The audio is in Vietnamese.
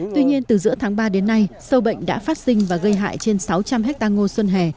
tuy nhiên từ giữa tháng ba đến nay sâu bệnh đã phát sinh và gây hại trên sáu trăm linh hectare ngô xuân hè